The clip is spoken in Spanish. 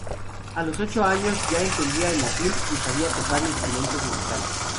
A los ocho años ya entendía el latín y sabía tocar instrumentos musicales.